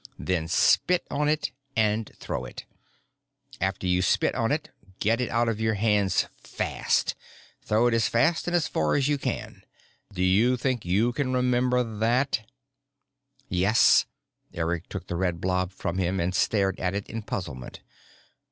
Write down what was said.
Then spit on it and throw it. After you spit on it, get it out of your hands fast. Throw it as fast and as far as you can. Do you think you can remember that?" "Yes." Eric took the red blob from him and stared at it in puzzlement.